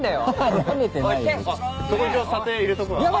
そこ一応査定入れとくわ。